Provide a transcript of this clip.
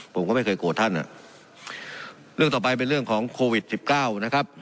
ผมก็ไม่เคยโกรธท่านอ่ะเรื่องต่อไปเป็นเรื่องของโควิดสิบเก้านะครับ